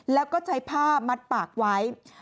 แล้วก็ใช้ผ้ามัดปากไว้